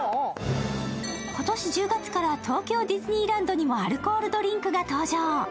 今年１０月から東京ディズニーランドにもアルコールドリンクが登場。